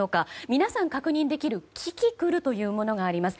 皆さん確認できるキキクルというものがあります。